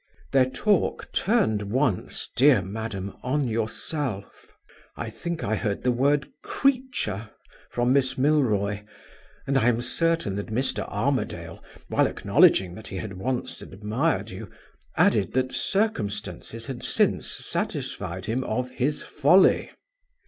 "Their talk turned once, dear madam, on yourself. I think I heard the word 'creature' from Miss Milroy; and I am certain that Mr. Armadale, while acknowledging that he had once admired you, added that circumstances had since satisfied him of 'his folly.